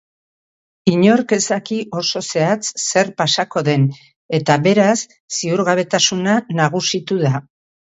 Inork ez daki oso zehatz zer pasako den eta beraz ziurgabetasuna nagusitu da.